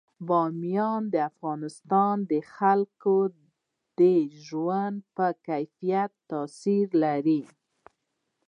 بامیان د افغانستان د خلکو د ژوند په کیفیت تاثیر لري.